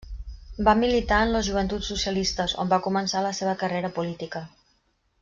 Va militar en les Joventuts Socialistes, on va començar la seva carrera política.